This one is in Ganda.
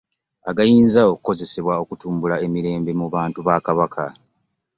Agayinza okukozesebwa okutumbula emirembe mu bantu ba Kabaka.